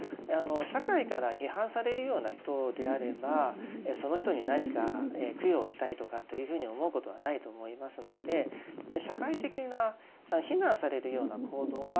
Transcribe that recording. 社会から批判されるような人であればその人に何か供養をしたいとかというふうに思うことはないと思いますのでと考えてよいと思います。